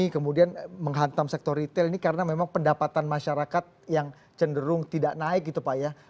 kemudian menghantam sektor retail ini karena memang pendapatan masyarakat yang cenderung tidak naik gitu pak ya